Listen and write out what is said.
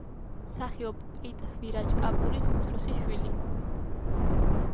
მსახიობ პრიტჰვირაჯ კაპურის უმცროსი შვილი.